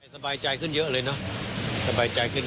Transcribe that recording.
สบายใจขึ้นเยอะเลยนะ